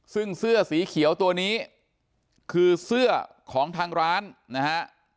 ซึ่งเสื้อสีเขียวตัวนี้คือเสื้อของทางร้านนะฮะ